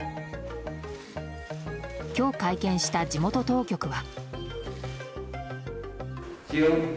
今日会見した地元当局は。